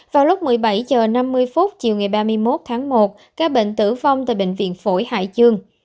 vào lúc một mươi bảy h năm mươi chiều ngày ba mươi một tháng một các bệnh tử vong tại bệnh viện phổi hải dương